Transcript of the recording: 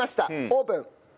オープン。